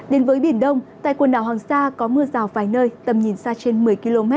đến với biển đông tại quần đảo hoàng sa có mưa rào vài nơi tầm nhìn xa trên một mươi km